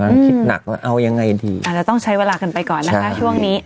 คิดหนักว่าเอายังไงดีอาจจะต้องใช้เวลากันไปก่อนนะคะช่วงนี้